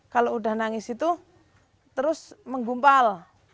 kalau udah nangis itu terus menggumpal